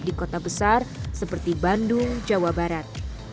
di kota besar seperti bandung jawa barat